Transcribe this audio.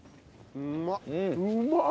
うまーっ！